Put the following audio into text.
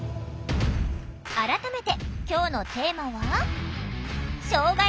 改めて今日のテーマは？